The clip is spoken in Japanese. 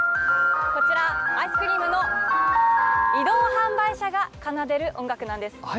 こちら、アイスクリームの移動販売車が奏でる音楽なんです。